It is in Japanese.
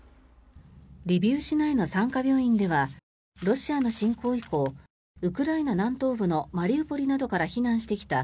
リビウ市内の産科病院ではロシアの侵攻以降ウクライナ南東部のマリウポリなどから避難してきた